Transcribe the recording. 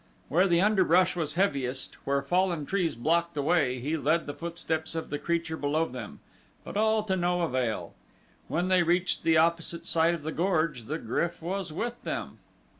Where the underbrush was heaviest, where fallen trees blocked the way, he led the footsteps of the creature below them; but all to no avail. When they reached the opposite side of the gorge the GRYF was with them.